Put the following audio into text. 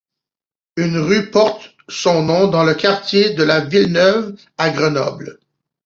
Une rue porte son nom dans le quartier de la Villeneuve à Grenoble.